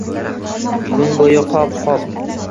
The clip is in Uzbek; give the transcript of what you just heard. Kun bo’yi qop-qop